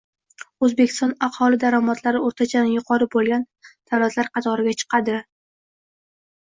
O‘zbekiston aholi daromadlari o‘rtachadan yuqori bo‘lgan davlatlar qatoriga chiqading